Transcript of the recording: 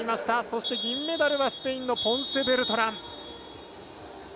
そして、銀メダルはスペインのポンセベルトラン。